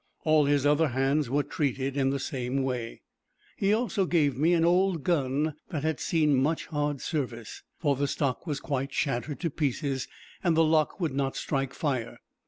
All his other hands were treated in the same way. He also gave me an old gun that had seen much hard service, for the stock was quite shattered to pieces, and the lock would not strike fire.